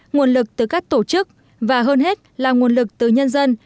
nguồn lực từ các tổ chức và hơn hết là nguồn lực từ nhân dân